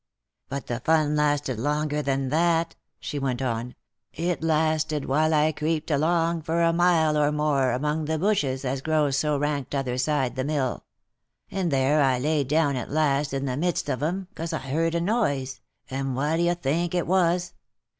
"But the fun lasted longer than that," she went on, " it lasted while I creeped along for a mile or more among the bushes as grows so rank t'other side the mill ; and there I laid down at last in the midst of 'em, 'cause I heard a noise, and what d'ye think it was